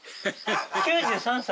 ９３歳？